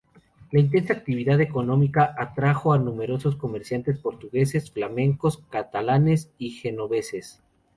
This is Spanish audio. La intensa actividad económica atrajo a numerosos comerciantes portugueses, flamencos, catalanes y genoveses.